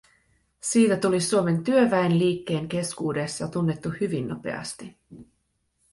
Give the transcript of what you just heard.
Siitä tuli Suomen työväenliikkeen keskuudessa tunnettu hyvin nopeasti